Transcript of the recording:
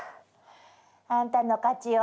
あんたの勝ちよ。